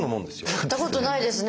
やったことないですね。